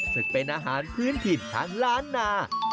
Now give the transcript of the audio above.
ซึ่งเป็นอาหารพื้นถิ่นทางล้านนา